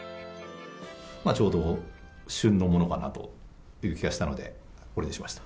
ちょうど旬のものかなという気がしたのでこれにしました。